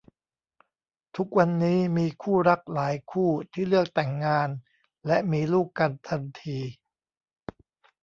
ทุกวันนี้มีคู่รักหลายคู่ที่เลือกแต่งงานและมีลูกกันทันที